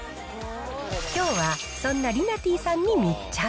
きょうはそんなりなてぃさんに密着。